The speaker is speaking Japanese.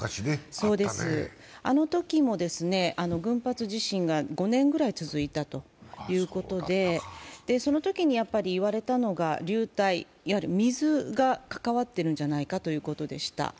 あのときも群発地震が５年くらい続いたということでそのときに言われたのが、流体、いわゆる水が関わっているんじゃないかということでした。